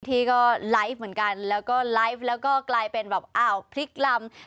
ที่ก็ไลฟ์เหมือนกันแล้วก็ไลฟ์แล้วก็กลายเป็นแบบอ้าวพลิกลำ